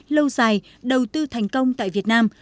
lâu dài đầu tư thành công tại việt nam